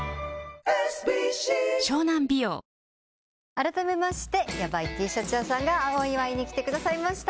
あらためましてヤバイＴシャツ屋さんがお祝いに来てくださいました。